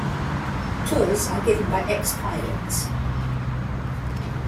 Tours are given by ex-pilots.